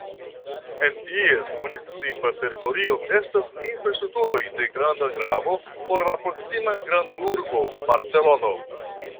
En ties municipa teritorio estas infrastrukturoj de granda gravo por la proksima grandurbo Barcelono.